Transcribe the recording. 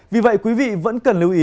vì vậy quý vị vẫn cần lưu ý